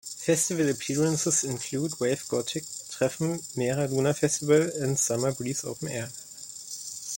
Festival appearances include Wave-Gotik-Treffen, Mera Luna Festival, and Summer Breeze Open Air.